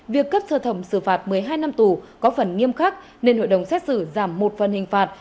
việc cấp sơ thẩm xử phạt một mươi hai năm tù có phần nghiêm khắc nên hội đồng xét xử giảm một phần hình phạt